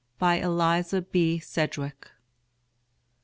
BY ELIZA B. SEDGWICK.